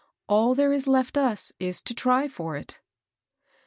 All there is left us is to try for it."